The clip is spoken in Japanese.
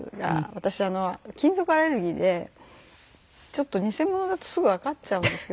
私金属アレルギーで偽物だとすぐわかっちゃうんですけど。